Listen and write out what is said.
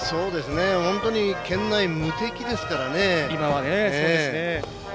本当に県内無敵ですからね。